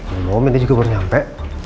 emang ini juga baru sampe